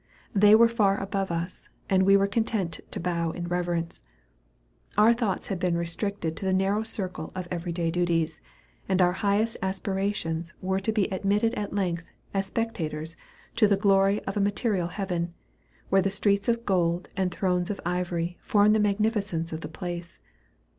They were far above us, and we were content to bow in reverence. Our thoughts had been restricted to the narrow circle of every day duties, and our highest aspirations were to be admitted at length, as spectators, to the glory of a material heaven, where streets of gold and thrones of ivory form the magnificence of the place.